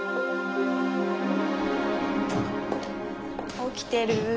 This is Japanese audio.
起きてる？